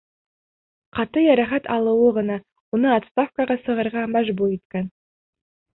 Ҡаты йәрәхәт алыуы ғына уны отставкаға сығырға мәжбүр иткән.